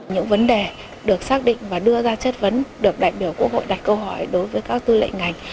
những vấn đề được xác định và đưa ra chất vấn được đại biểu quốc hội đặt câu hỏi đối với các tư lệnh ngành